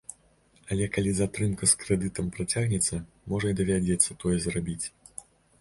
Але калі затрымка з крэдытам працягнецца, можа і давядзецца тое зрабіць.